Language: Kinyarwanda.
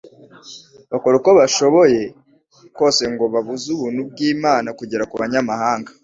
bakora uko bashoboye kose ngo babuze ubuntu bw'Imana kugera ku banyamahanga.